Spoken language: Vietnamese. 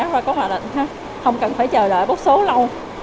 không cần phải chờ đợi bút số lâu